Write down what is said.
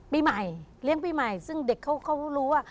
ปีใหม่เลี้ยงปีใหม่ซึ่งเด็กเขารู้ว่า